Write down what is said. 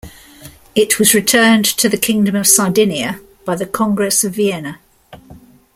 It was returned to the Kingdom of Sardinia by the Congress of Vienna.